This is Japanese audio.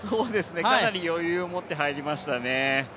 かなり余裕を持って入りましたね。